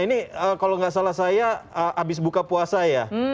ini kalau nggak salah saya habis buka puasa ya